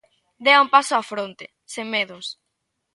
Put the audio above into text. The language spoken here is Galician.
Dea un paso á fronte, sen medos.